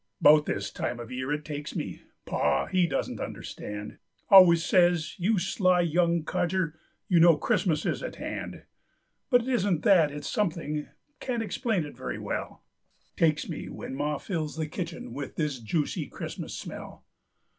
'Bout this time of year it takes me Pa, he doesn't understand, Always says: "You sly young codger, You know Christmas is at hand." But it isn't that, it's something Can't explain it very well Takes me when ma fills the kitchen With this juicy Christmas smell.